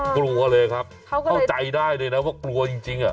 กลัวเลยครับเข้าใจได้เลยนะว่ากลัวจริง